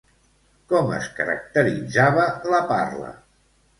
Com es caracteritzava la parla?